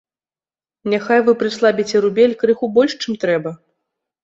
Няхай вы прыслабіце рубель крыху больш, чым трэба.